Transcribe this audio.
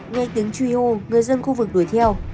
nghe tiếng truy hô người dân khu vực đuổi theo